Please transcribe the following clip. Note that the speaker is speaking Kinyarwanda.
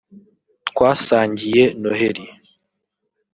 twasangiye noheli